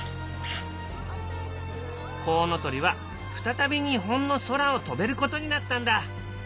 コウノトリは再び日本の空を飛べることになったんだ。